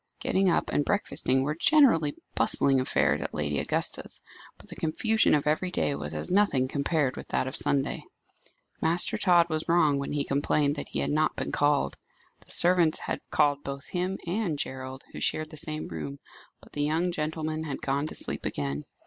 Getting up and breakfasting were generally bustling affairs at Lady Augusta's; but the confusion of every day was as nothing compared with that of Sunday. Master Tod was wrong when he complained that he had not been called. The servants had called both him and Gerald, who shared the same room, but the young gentlemen had gone to sleep again.